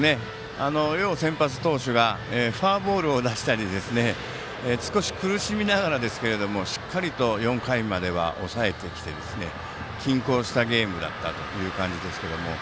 両先発投手がフォアボールを出したり少し苦しみながらですがしっかりと４回までは抑えてきて、均衡したゲームだという感じですが。